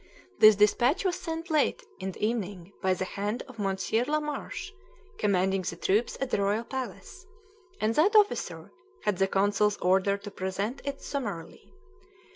This despatch was sent late in the evening by the hand of Monsieur Lamarche, commanding the troops at the royal palace; and that officer had the consul's order to present it summarily.